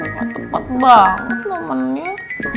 ga tepat banget namanya